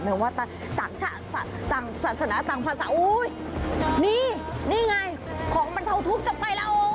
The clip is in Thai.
ไม่ว่าต่างชะต่างศาสนาต่างภาษาโอ้ยนี่นี่ไงของมันเถาทุกข์จบไปแล้ว